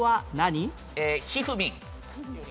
ひふみん。